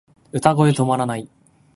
歌声止まらない